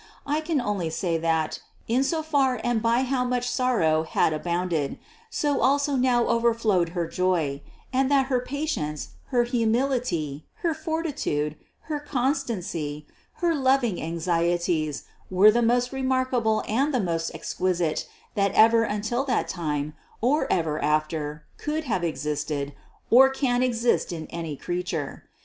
I can only say that, in so far and by how much sorrow had abounded, so also now overflowed her joy; and that her patience, her humility, her fortitude, her constancy, her loving anxieties were the most remarkable and the most exquisite that ever until that time or ever after could have existed or can exist in any creature.